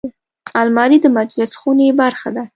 الماري د مجلس خونې برخه ده